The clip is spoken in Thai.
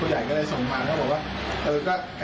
ผู้ใหญ่ก็เลยส่งมาแล้วบอกว่า